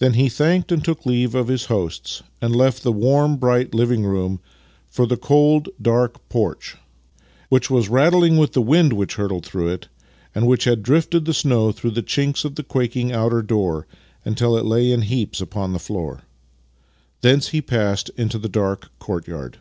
Then he thanked and took leave of his hosts, and left the warm, bright living room for the cold, dark porch, which was rattling with the wind which hurtled through it and which had drifted the snow through the chinks of the quaking outer door until it lay in heaps upon the floor. Thence he passed into the dark courtyard.